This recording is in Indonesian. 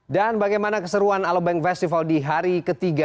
dan bagaimana keseruan alobeng festival di hari ketiga